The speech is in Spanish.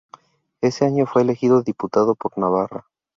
Ese año fue elegido diputado por Navarra.